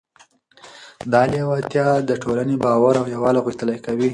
دا لیوالتیا د ټولنې باور او یووالی غښتلی کوي.